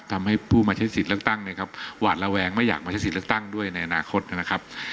ทำให้ผู้มาใช้สิทธิ์เลือกตั้งเนี่ยครับหวาดระแวงไม่อยากมาใช้สิทธิ์เลือกตั้งด้วยในอนาคตนะครับ